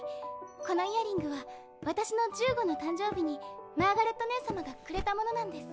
このイヤリングは私の１５の誕生日にマーガレット姉様がくれたものなんです。